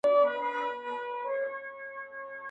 چي موږ ټوله په یوه ژبه ګړېږو٫